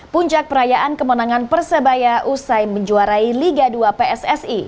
puncak perayaan kemenangan persebaya usai menjuarai liga dua pssi